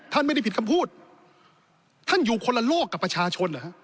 ท่านไม่ได้ผิดคำพูดท่านอยู่คนละโลกกับประชาชนเหรอฮะ